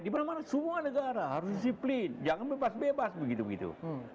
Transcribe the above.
dimana mana semua negara harus disiplin jangan bebas bebas begitu begitu